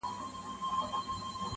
• پلار او مور یې په قاضي باندي نازېږي..